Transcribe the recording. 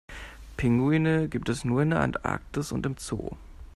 Pinguine gibt es nur in der Antarktis und im Zoo.